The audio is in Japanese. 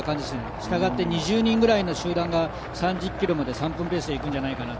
したがって２０人ぐらいの集団が３０ｋｍまで３分ペースでいくんじゃないかと。